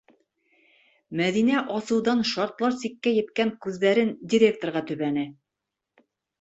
Мәҙинә асыуҙан шартлар сиккә еткән күҙҙәрен директорға төбәне: